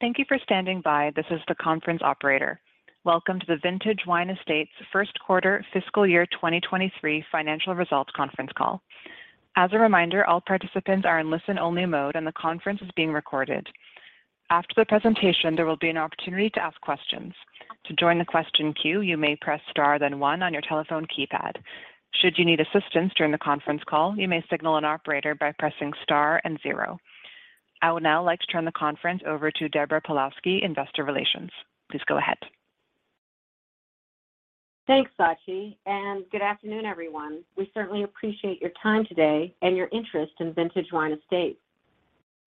Thank you for standing by. This is the conference operator. Welcome to the Vintage Wine Estates first quarter fiscal year 2023 financial results conference call. As a reminder, all participants are in listen-only mode, and the conference is being recorded. After the presentation, there will be an opportunity to ask questions. To join the question queue, you may press star then one on your telephone keypad. Should you need assistance during the conference call, you may signal an operator by pressing star and zero. I would now like to turn the conference over to Deborah Pawlowski, Investor Relations. Please go ahead. Thanks, Sachi, and good afternoon, everyone. We certainly appreciate your time today and your interest in Vintage Wine Estates.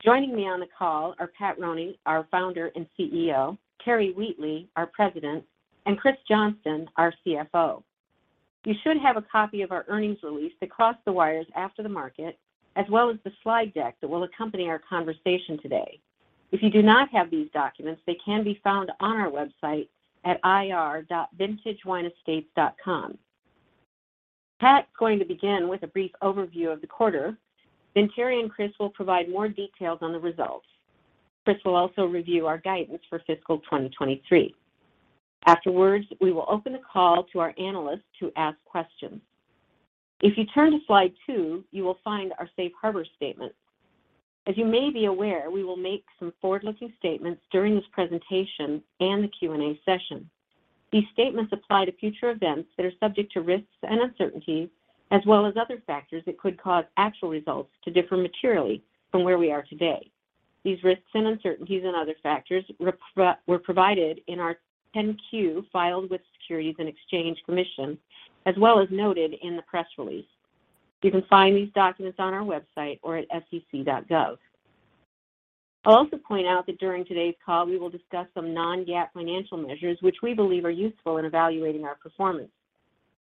Joining me on the call are Pat Roney, our Founder and CEO, Terry Wheatley, our President, and Kris Johnston, our CFO. You should have a copy of our earnings release that crossed the wires after the market, as well as the slide deck that will accompany our conversation today. If you do not have these documents, they can be found on our website at ir.vintagewineestates.com. Pat's going to begin with a brief overview of the quarter. Terry and Kris will provide more details on the results. Kris will also review our guidance for fiscal 2023. Afterwards, we will open the call to our analysts to ask questions. If you turn to slide two, you will find our safe harbor statement. As you may be aware, we will make some forward-looking statements during this presentation and the Q&A session. These statements apply to future events that are subject to risks and uncertainties, as well as other factors that could cause actual results to differ materially from where we are today. These risks and uncertainties and other factors were provided in our 10-Q filed with Securities and Exchange Commission, as well as noted in the press release. You can find these documents on our website or at sec.gov. I'll also point out that during today's call, we will discuss some non-GAAP financial measures, which we believe are useful in evaluating our performance.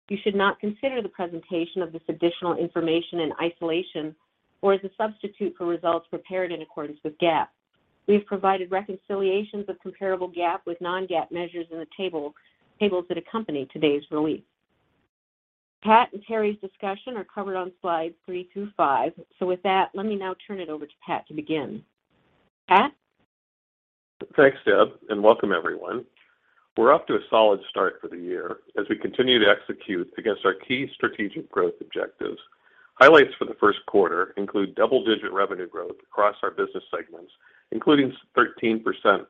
You should not consider the presentation of this additional information in isolation or as a substitute for results prepared in accordance with GAAP. We have provided reconciliations of comparable GAAP with non-GAAP measures in the tables that accompany today's release. Pat and Terry's discussion are covered on slides three through five. With that, let me now turn it over to Pat to begin. Pat? Thanks, Deb, and welcome everyone. We're off to a solid start for the year as we continue to execute against our key strategic growth objectives. Highlights for the first quarter include double-digit revenue growth across our business segments, including 13%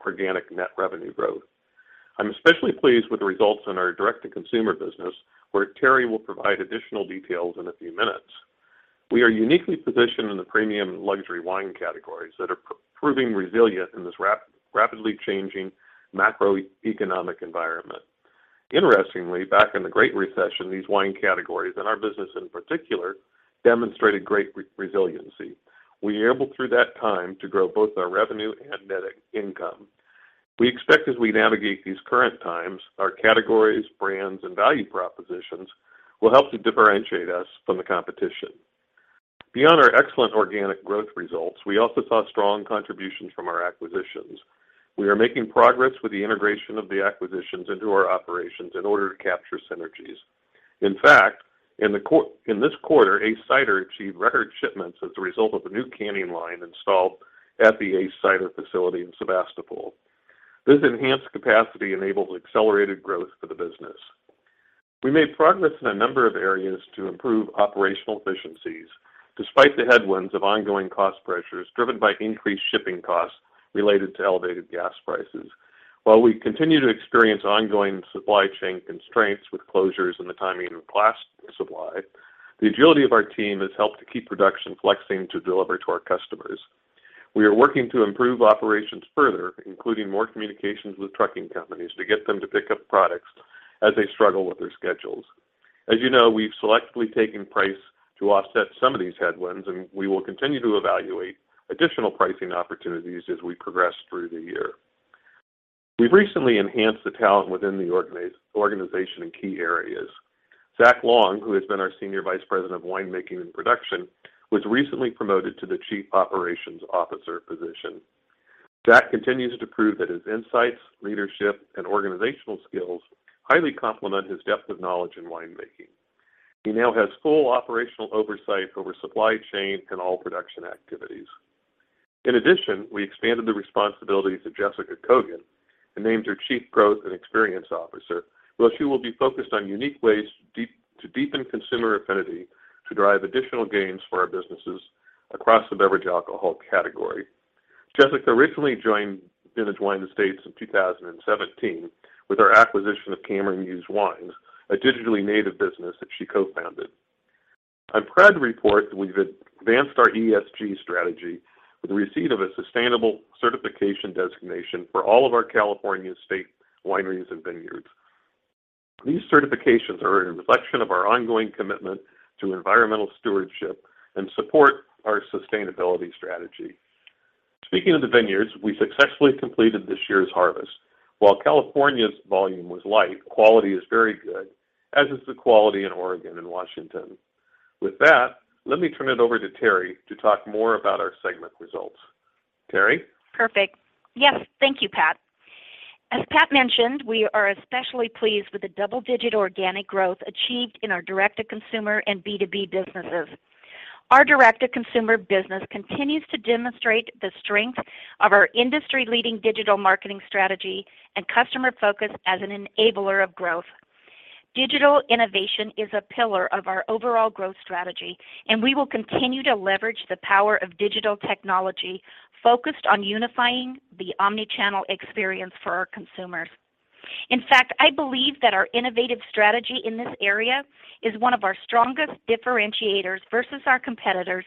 organic net revenue growth. I'm especially pleased with the results in our direct-to-consumer business, where Terry will provide additional details in a few minutes. We are uniquely positioned in the premium and luxury wine categories that are proving resilient in this rapidly changing macroeconomic environment. Interestingly, back in the Great Recession, these wine categories, and our business in particular, demonstrated great resiliency. We were able through that time to grow both our revenue and net income. We expect as we navigate these current times, our categories, brands, and value propositions will help to differentiate us from the competition. Beyond our excellent organic growth results, we also saw strong contributions from our acquisitions. We are making progress with the integration of the acquisitions into our operations in order to capture synergies. In fact, in this quarter, Ace Cider achieved record shipments as a result of a new canning line installed at the Ace Cider facility in Sebastopol. This enhanced capacity enables accelerated growth for the business. We made progress in a number of areas to improve operational efficiencies despite the headwinds of ongoing cost pressures driven by increased shipping costs related to elevated gas prices. While we continue to experience ongoing supply chain constraints with closures and the timing of glass supply, the agility of our team has helped to keep production flexing to deliver to our customers. We are working to improve operations further, including more communications with trucking companies to get them to pick up products as they struggle with their schedules. As you know, we've selectively taken price to offset some of these headwinds, and we will continue to evaluate additional pricing opportunities as we progress through the year. We've recently enhanced the talent within the organization in key areas. Zach Long, who has been our Senior Vice President of Winemaking and Production, was recently promoted to the Chief Operations Officer position. Zach continues to prove that his insights, leadership, and organizational skills highly complement his depth of knowledge in winemaking. He now has full operational oversight over supply chain and all production activities. In addition, we expanded the responsibilities of Jessica Kogan and named her Chief Growth and Experience Officer. While she will be focused on unique ways to deepen consumer affinity to drive additional gains for our businesses across the beverage alcohol category. Jessica originally joined Vintage Wine Estates in 2017 with our acquisition of Cameron Hughes Wine, a digitally native business that she co-founded. I'm proud to report we've advanced our ESG strategy with the receipt of a sustainable certification designation for all of our California state wineries and vineyards. These certifications are a reflection of our ongoing commitment to environmental stewardship and support our sustainability strategy. Speaking of the vineyards, we successfully completed this year's harvest. While California's volume was light, quality is very good, as is the quality in Oregon and Washington. With that, let me turn it over to Terry to talk more about our segment results. Terry? Perfect. Yes. Thank you, Pat. As Pat mentioned, we are especially pleased with the double-digit organic growth achieved in our direct-to-consumer and B2B businesses. Our direct-to-consumer business continues to demonstrate the strength of our industry-leading digital marketing strategy and customer focus as an enabler of growth. Digital innovation is a pillar of our overall growth strategy, and we will continue to leverage the power of digital technology focused on unifying the omni-channel experience for our consumers. In fact, I believe that our innovative strategy in this area is one of our strongest differentiators versus our competitors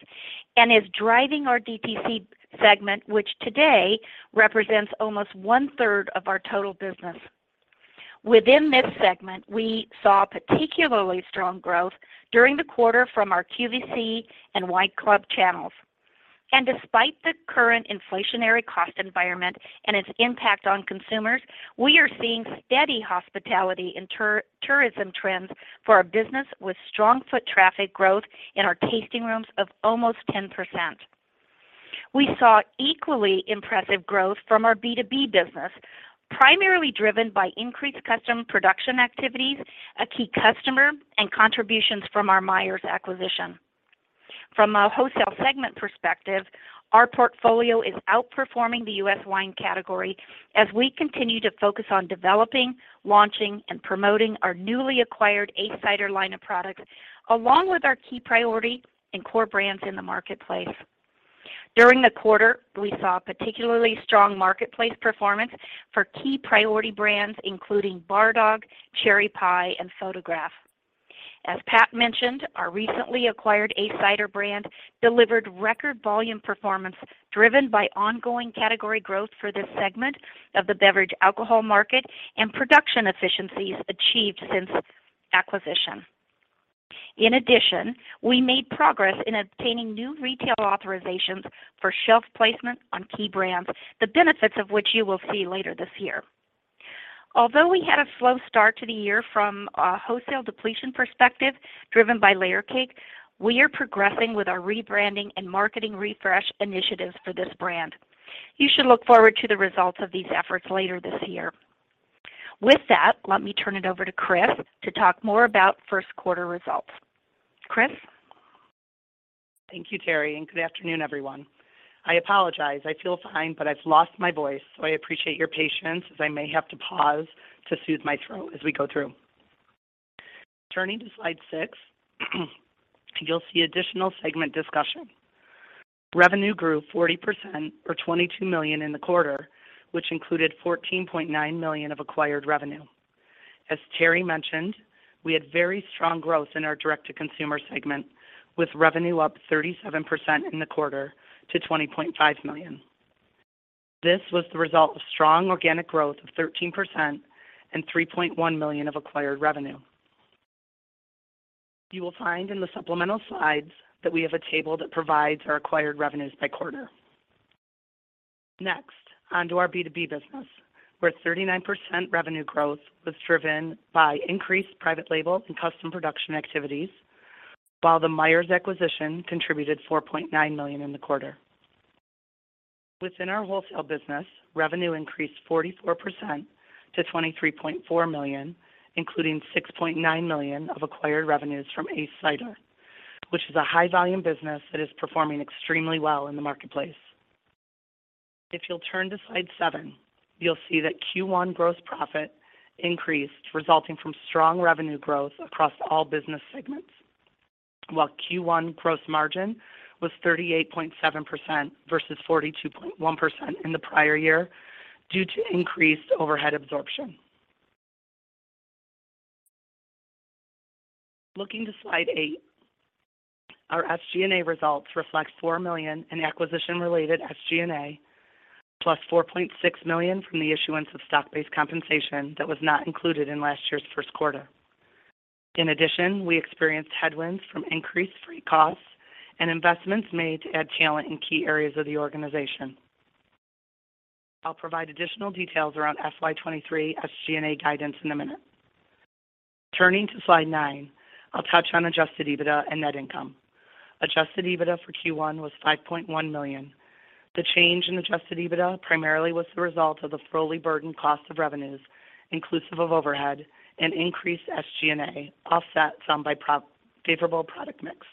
and is driving our DTC segment, which today represents almost 1/3 of our total business. Within this segment, we saw particularly strong growth during the quarter from our QVC and wine club channels. Despite the current inflationary cost environment and its impact on consumers, we are seeing steady hospitality and tourism trends for our business with strong foot traffic growth in our tasting rooms of almost 10%. We saw equally impressive growth from our B2B business, primarily driven by increased custom production activities, a key customer, and contributions from our Meier's acquisition. From a wholesale segment perspective, our portfolio is outperforming the U.S. wine category as we continue to focus on developing, launching, and promoting our newly acquired Ace Cider line of products, along with our key priority and core brands in the marketplace. During the quarter, we saw particularly strong marketplace performance for key priority brands including Bar Dog, Cherry Pie, and Photograph. As Pat mentioned, our recently acquired Ace Cider brand delivered record volume performance driven by ongoing category growth for this segment of the beverage alcohol market and production efficiencies achieved since acquisition. In addition, we made progress in obtaining new retail authorizations for shelf placement on key brands, the benefits of which you will see later this year. Although we had a slow start to the year from a wholesale depletion perspective driven by Layer Cake, we are progressing with our rebranding and marketing refresh initiatives for this brand. You should look forward to the results of these efforts later this year. With that, let me turn it over to Kris to talk more about first quarter results. Kris? Thank you, Terry, and good afternoon, everyone. I apologize. I feel fine, but I've lost my voice, so I appreciate your patience as I may have to pause to soothe my throat as we go through. Turning to slide six, you'll see additional segment discussion. Revenue grew 40% or $22 million in the quarter, which included $14.9 million of acquired revenue. As Terry mentioned, we had very strong growth in our direct-to-consumer segment, with revenue up 37% in the quarter to $20.5 million. This was the result of strong organic growth of 13% and $3.1 million of acquired revenue. You will find in the supplemental slides that we have a table that provides our acquired revenues by quarter. Next, on to our B2B business, where 39% revenue growth was driven by increased private label and custom production activities, while the Meier's acquisition contributed $4.9 million in the quarter. Within our wholesale business, revenue increased 44% to $23.4 million, including $6.9 million of acquired revenues from Ace Cider, which is a high volume business that is performing extremely well in the marketplace. If you'll turn to slide seven, you'll see that Q1 gross profit increased, resulting from strong revenue growth across all business segments, while Q1 gross margin was 38.7% versus 42.1% in the prior year due to increased overhead absorption. Looking to slide eight, our SG&A results reflect $4 million in acquisition-related SG&A plus $4.6 million from the issuance of stock-based compensation that was not included in last year's first quarter. In addition, we experienced headwinds from increased freight costs and investments made to add talent in key areas of the organization. I'll provide additional details around FY 2023 SG&A guidance in a minute. Turning to slide nine, I'll touch on adjusted EBITDA and net income. Adjusted EBITDA for Q1 was $5.1 million. The change in adjusted EBITDA primarily was the result of the fully burdened cost of revenues, inclusive of overhead and increased SG&A, offset some by favorable product mix.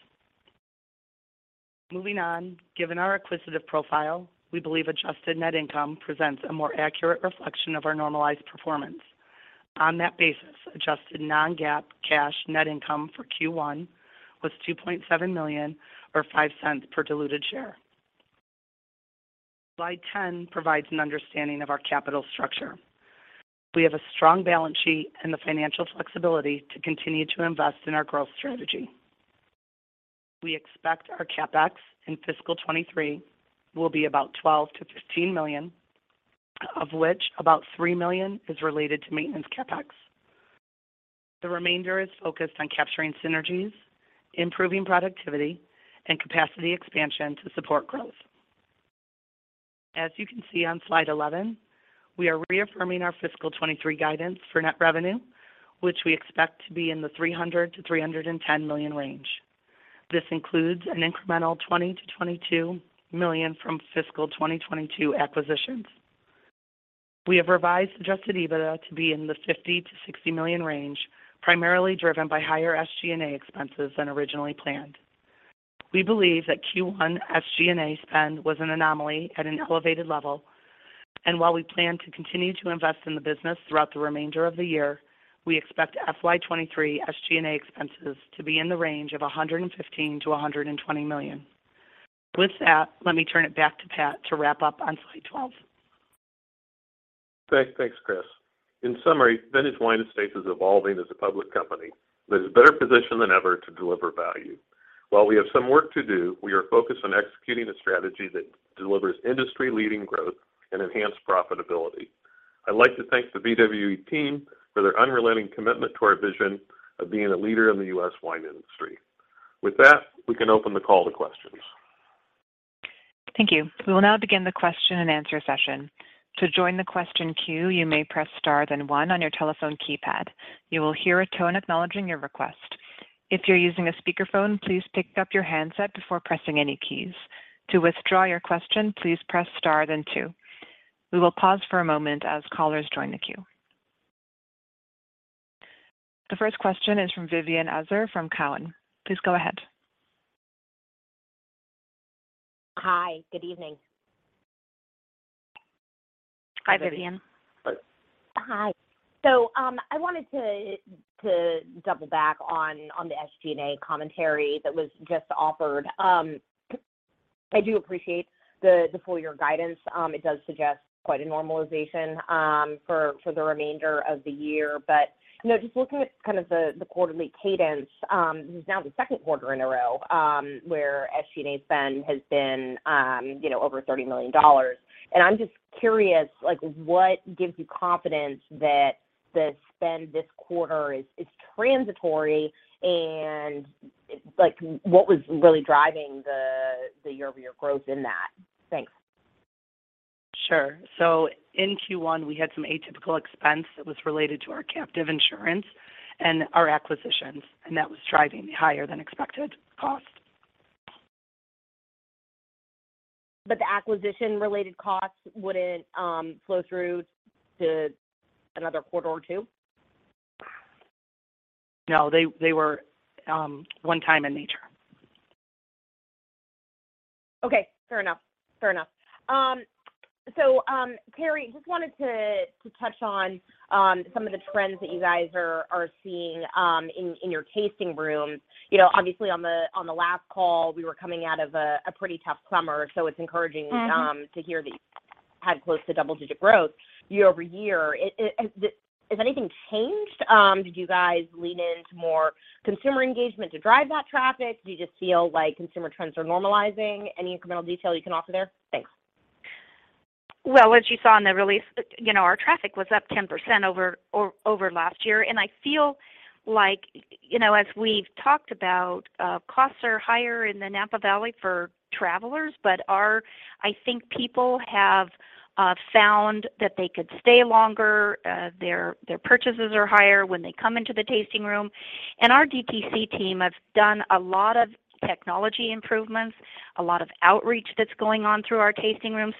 Moving on, given our acquisitive profile, we believe adjusted net income presents a more accurate reflection of our normalized performance. On that basis, adjusted non-GAAP cash net income for Q1 was $2.7 million or $0.05 per diluted share. Slide 10 provides an understanding of our capital structure. We have a strong balance sheet and the financial flexibility to continue to invest in our growth strategy. We expect our CapEx in fiscal 2023 will be about $12 million-$15 million, of which about $3 million is related to maintenance CapEx. The remainder is focused on capturing synergies, improving productivity, and capacity expansion to support growth. As you can see on slide 11, we are reaffirming our fiscal 2023 guidance for net revenue, which we expect to be in the $300 million-$310 million range. This includes an incremental $20 million-$22 million from fiscal 2022 acquisitions. We have revised Adjusted EBITDA to be in the $50 million-$60 million range, primarily driven by higher SG&A expenses than originally planned. We believe that Q1 SG&A spend was an anomaly at an elevated level. While we plan to continue to invest in the business throughout the remainder of the year, we expect FY 2023 SG&A expenses to be in the range of $115 million-$120 million. With that, let me turn it back to Pat to wrap up on slide 12. Thanks. Thanks, Kris. In summary, Vintage Wine Estates is evolving as a public company, but is better positioned than ever to deliver value. While we have some work to do, we are focused on executing a strategy that delivers industry-leading growth and enhanced profitability. I'd like to thank the VWE team for their unrelenting commitment to our vision of being a leader in the U.S. wine industry. With that, we can open the call to questions. Thank you. We will now begin the question and answer session. To join the question queue, you may press star then one on your telephone keypad. You will hear a tone acknowledging your request. If you're using a speakerphone, please pick up your handset before pressing any keys. To withdraw your question, please press star then two. We will pause for a moment as callers join the queue. The first question is from Vivien Azer from Cowen. Please go ahead. Hi, good evening. Hi, Vivien. Hi. I wanted to double back on the SG&A commentary that was just offered. I do appreciate the full year guidance. It does suggest quite a normalization for the remainder of the year. You know, just looking at kind of the quarterly cadence, this is now the second quarter in a row where SG&A spend has been you know, over $30 million. I'm just curious, like, what gives you confidence that the spend this quarter is transitory, and, like, what was really driving the year-over-year growth in that? Thanks. Sure. In Q1, we had some atypical expense that was related to our captive insurance and our acquisitions, and that was driving higher than expected costs. The acquisition-related costs wouldn't flow through to another quarter or two? No, they were one time in nature. Okay, fair enough. Terry, just wanted to touch on some of the trends that you guys are seeing in your tasting rooms. You know, obviously on the last call, we were coming out of a pretty tough summer. It's encouraging. Mm-hmm. To hear that you had close to double-digit growth year-over-year. Has anything changed? Did you guys lean into more consumer engagement to drive that traffic? Do you just feel like consumer trends are normalizing? Any incremental detail you can offer there? Thanks. Well, as you saw in the release, you know, our traffic was up 10% over last year. I feel like, you know, as we've talked about, costs are higher in the Napa Valley for travelers. Our, I think people have found that they could stay longer, their purchases are higher when they come into the tasting room. Our DTC team have done a lot of technology improvements, a lot of outreach that's going on through our tasting room.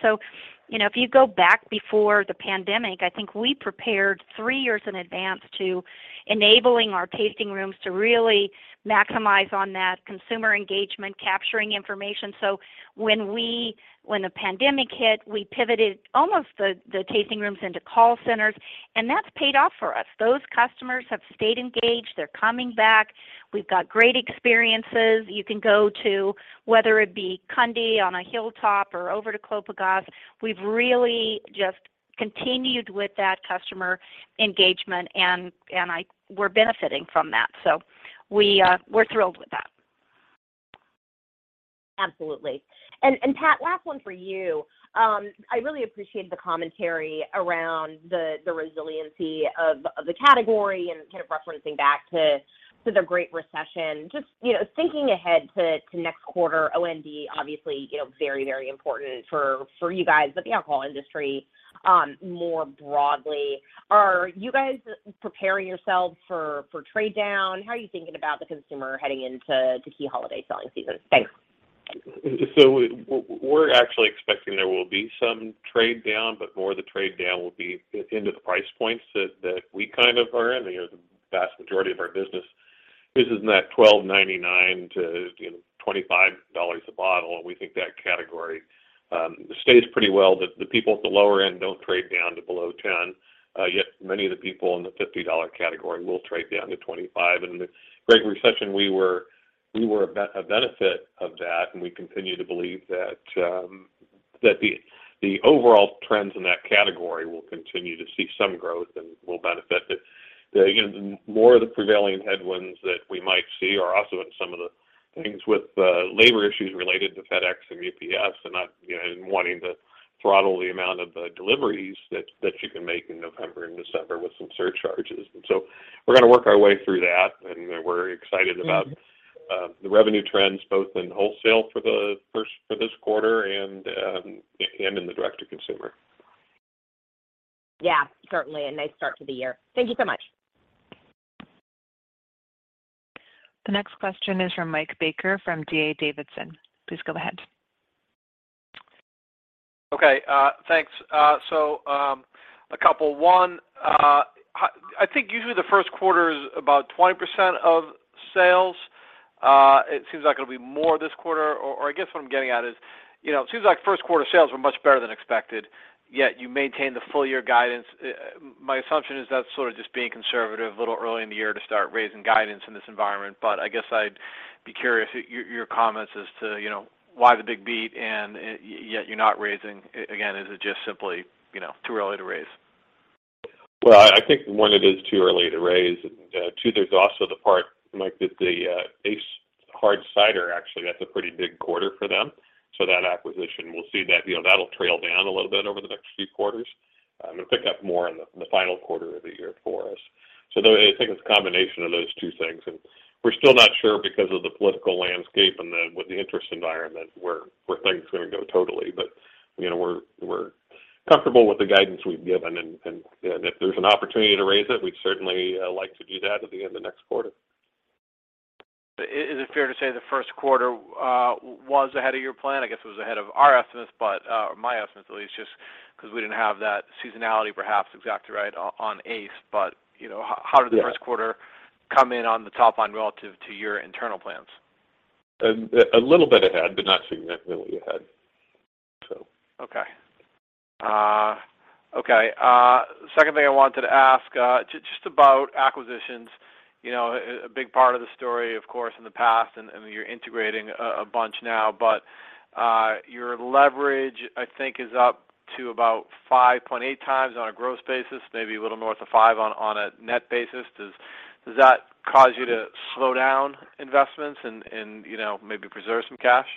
You know, if you go back before the pandemic, I think we prepared three years in advance to enabling our tasting rooms to really maximize on that consumer engagement, capturing information. When the pandemic hit, we pivoted almost the tasting rooms into call centers, and that's paid off for us. Those customers have stayed engaged. They're coming back. We've got great experiences you can go to, whether it be Kunde on a hilltop or over to Clos Pegase. We've really just continued with that customer engagement, and we're benefiting from that. We're thrilled with that. Absolutely. Pat, last one for you. I really appreciate the commentary around the resiliency of the category and kind of referencing back to the Great Recession. Just, you know, thinking ahead to next quarter, OND obviously, you know, very important for you guys, but the alcohol industry more broadly. Are you guys preparing yourselves for trade down? How are you thinking about the consumer heading into key holiday selling seasons? Thanks. We're actually expecting there will be some trade down, but more of the trade down will be into the price points that we kind of are in. You know, the vast majority of our business is in that $12.99-$25 a bottle. We think that category stays pretty well. The people at the lower end don't trade down to below $10. Yet many of the people in the $50 category will trade down to $25. In the Great Recession, we were a benefit of that, and we continue to believe that the overall trends in that category will continue to see some growth and will benefit it. You know, more of the prevailing headwinds that we might see are also in some of the things with labor issues related to FedEx and UPS and not, you know, wanting to throttle the amount of deliveries that you can make in November and December with some surcharges. We're gonna work our way through that, and we're excited about. Mm-hmm. The revenue trends both in wholesale for this quarter and in the direct-to-consumer. Yeah, certainly a nice start to the year. Thank you so much. The next question is from Mike Baker from D.A. Davidson. Please go ahead. Okay, thanks. A couple. One, I think usually the first quarter is about 20% of sales. It seems like it'll be more this quarter, or I guess what I'm getting at is, you know, it seems like first quarter sales were much better than expected, yet you maintained the full year guidance. My assumption is that's sort of just being conservative a little early in the year to start raising guidance in this environment. I guess I'd be curious at your comments as to, you know, why the big beat and yet you're not raising. Again, is it just simply, you know, too early to raise? Well, I think one, it is too early to raise. Two, there's also the part, Mike, that the ACE Hard Cider, actually, that's a pretty big quarter for them. So that acquisition, we'll see that, you know, that'll trail down a little bit over the next few quarters and pick up more in the final quarter of the year for us. I think it's a combination of those two things, and we're still not sure because of the political landscape and what the interest environment where things are gonna go totally. You know, we're comfortable with the guidance we've given, and if there's an opportunity to raise it, we'd certainly like to do that at the end of next quarter. Is it fair to say the first quarter was ahead of your plan? I guess it was ahead of our estimates, but or my estimates at least, just 'cause we didn't have that seasonality perhaps exactly right on ACE. You know, how did- Yeah. The first quarter come in on the top line relative to your internal plans? A little bit ahead, but not significantly ahead. Okay. Second thing I wanted to ask, just about acquisitions. You know, a big part of the story, of course, in the past, and I mean, you're integrating a bunch now, but your leverage, I think, is up to about 5.8x on a gross basis, maybe a little north of 5x on a net basis. Does that cause you to slow down investments and you know, maybe preserve some cash?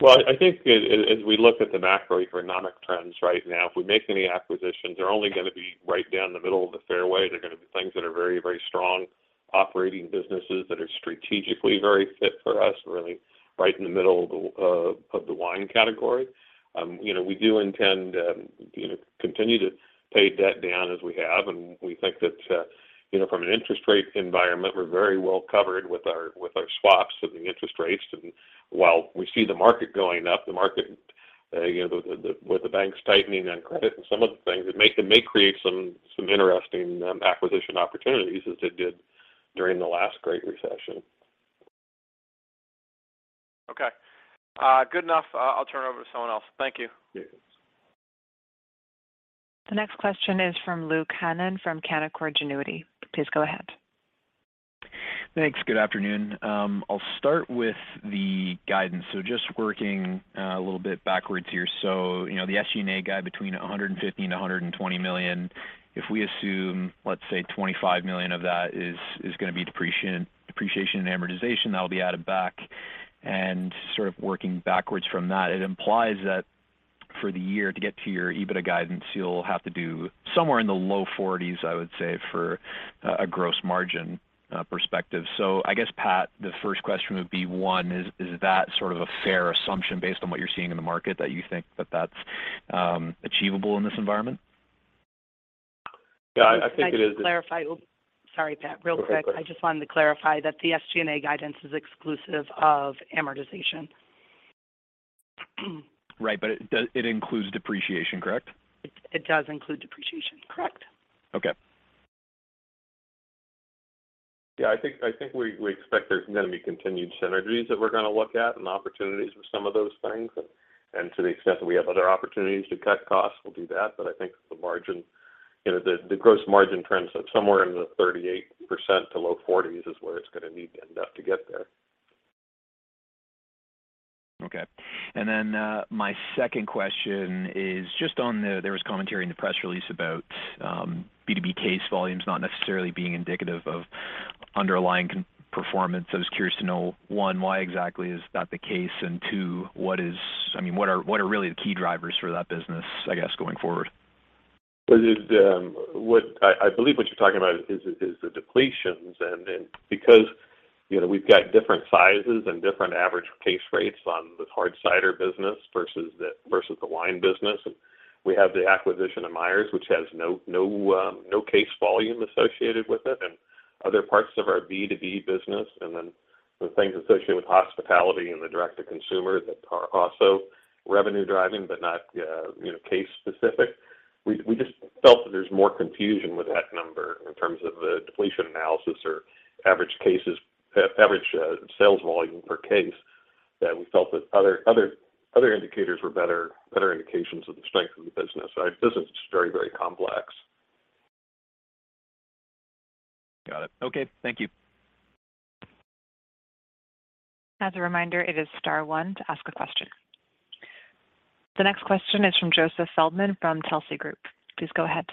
Well, I think as we look at the macroeconomic trends right now, if we make any acquisitions, they're only gonna be right down the middle of the fairway. They're gonna be things that are very, very strong operating businesses that are strategically very fit for us, really right in the middle of the wine category. You know, we do intend, you know, to continue to pay debt down as we have, and we think that, you know, from an interest rate environment, we're very well covered with our swaps of the interest rates. While we see the market going up, the market, you know, the with the banks tightening on credit and some of the things, it may create some interesting acquisition opportunities as it did during the last Great Recession. Okay. Good enough. I'll turn it over to someone else. Thank you. Yes. The next question is from Luke Hannan from Canaccord Genuity. Please go ahead. Thanks. Good afternoon. I'll start with the guidance, so just working a little bit backwards here. You know, the SG&A guide between $150 million and $120 million. If we assume, let's say, $25 million of that is gonna be depreciation and amortization, that'll be added back. Sort of working backwards from that, it implies that for the year to get to your EBITDA guidance, you'll have to do somewhere in the low 40s%, I would say, for a gross margin perspective. I guess, Pat, the first question would be, one, is that sort of a fair assumption based on what you're seeing in the market that you think that's achievable in this environment? Yeah, I think it is. I'd just like to clarify. Sorry, Pat, real quick. Go ahead. I just wanted to clarify that the SG&A guidance is exclusive of amortization. Right. It includes depreciation, correct? It does include depreciation, correct? Okay. Yeah. I think we expect there's gonna be continued synergies that we're gonna look at and opportunities with some of those things. To the extent that we have other opportunities to cut costs, we'll do that. I think the margin, you know, the gross margin trends at somewhere in the 38% to low 40s% is where it's gonna need to end up to get there. Okay. My second question is just on the there was commentary in the press release about B2B case volumes not necessarily being indicative of underlying consumer performance. I was curious to know, one, why exactly is that the case? Two, I mean, what are really the key drivers for that business, I guess, going forward? Well, what I believe what you're talking about is the depletions. Because, you know, we've got different sizes and different average case rates on the hard cider business versus the wine business. We have the acquisition of Meier's, which has no case volume associated with it, and other parts of our B2B business, and then the things associated with hospitality and the direct-to-consumer that are also revenue driving, but not, you know, case specific. We just felt that there's more confusion with that number in terms of the depletion analysis or average cases, average sales volume per case, that we felt that other indicators were better indications of the strength of the business. This business is very, very complex. Got it. Okay. Thank you. As a reminder, it is star one to ask a question. The next question is from Joseph Feldman from Telsey Group. Please go ahead.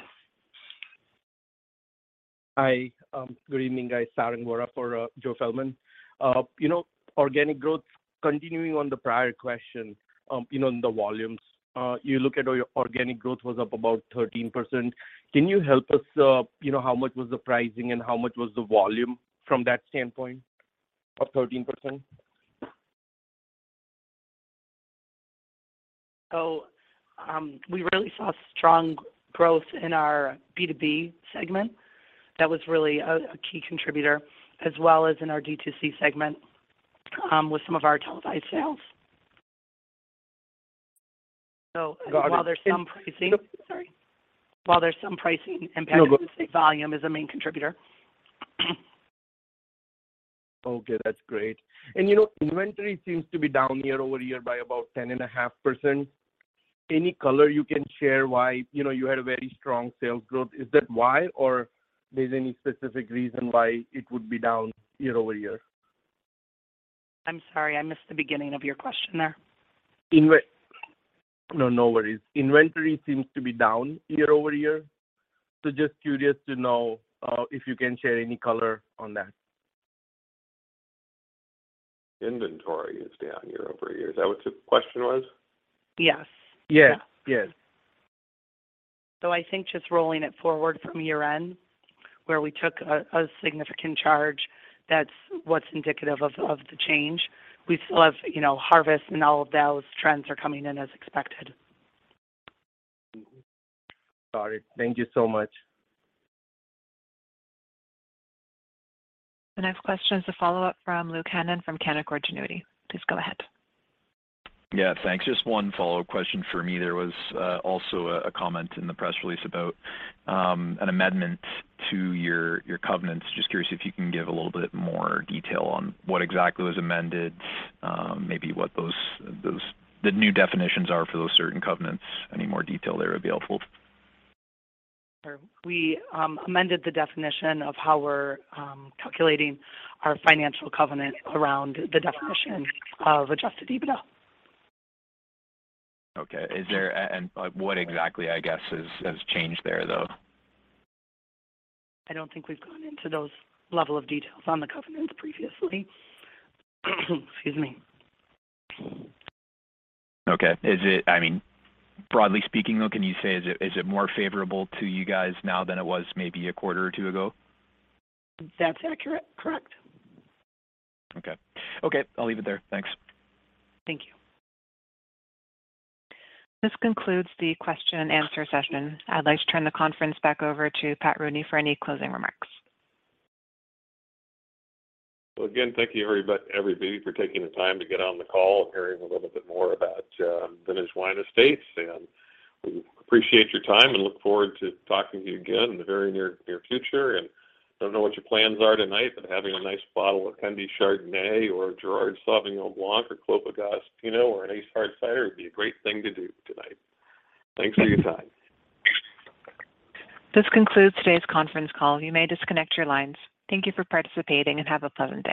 Hi. Good evening, guys. Sarang Vora for Joe Feldman. You know, organic growth, continuing on the prior question, you know, on the volumes. You look at your organic growth was up about 13%. Can you help us, you know, how much was the pricing and how much was the volume from that standpoint of 13%? We really saw strong growth in our B2B segment. That was really a key contributor, as well as in our D2C segment, with some of our televised sales. While there's some pricing. No- Sorry. While there's some pricing impact. No, go- I would say volume is a main contributor. Okay, that's great. You know, inventory seems to be down year-over-year by about 10.5%. Any color you can share why, you know, you had a very strong sales growth? Is that why or there's any specific reason why it would be down year-over-year? I'm sorry. I missed the beginning of your question there. No, no worries. Inventory seems to be down year-over-year. Just curious to know if you can share any color on that. Inventory is down year over year. Is that what your question was? Yes. Yeah. Yes. I think just rolling it forward from year-end, where we took a significant charge, that's what's indicative of the change. We still have, you know, harvest, and all of those trends are coming in as expected. Got it. Thank you so much. The next question is a follow-up from Luke Hannan from Canaccord Genuity. Please go ahead. Yeah, thanks. Just one follow-up question for me. There was also a comment in the press release about an amendment to your covenants. Just curious if you can give a little bit more detail on what exactly was amended, maybe what those the new definitions are for those certain covenants. Any more detail there would be helpful. Sure. We amended the definition of how we're calculating our financial covenant around the definition of adjusted EBITDA. Okay. Is there, like, what exactly, I guess, has changed there, though? I don't think we've gone into those level of details on the covenants previously. Excuse me. Okay. I mean, broadly speaking, though, can you say is it more favorable to you guys now than it was maybe a quarter or two ago? That's accurate. Correct. Okay. Okay, I'll leave it there. Thanks. Thank you. This concludes the question and answer session. I'd like to turn the conference back over to Pat Roney for any closing remarks. Again, thank you everybody for taking the time to get on the call and hearing a little bit more about Vintage Wine Estates. We appreciate your time and look forward to talking to you again in the very near future. I don't know what your plans are tonight, but having a nice bottle of Kunde Chardonnay or a Girard Sauvignon Blanc or Club Augustino or an Ace Hard Cider would be a great thing to do tonight. Thanks for your time. This concludes today's conference call. You may disconnect your lines. Thank you for participating, and have a pleasant day.